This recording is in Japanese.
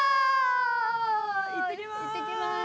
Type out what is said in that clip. いってきます。